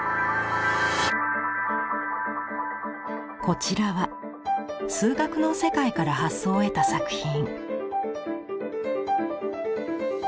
こちらは数学の世界から発想を得た作品。